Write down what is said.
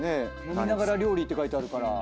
飲みながら料理って書いてある。